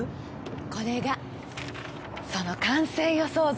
これがその完成予想図。